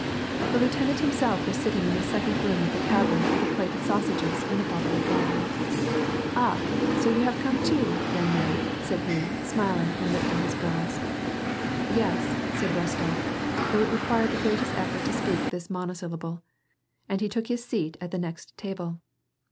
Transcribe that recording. The lieutenant himself was sitting in the second room of the tavern with a plate of sausages and a bottle of wine. " Aha ! so you have come too, young man " said he smiling and lifting his brows. " Yes " said Rostof, though it required the greatest effort to speak this monosyllable, and he took his seat at the next table.